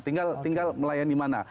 tinggal melayani mana